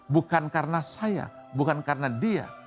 bukan karena saya bukan karena dia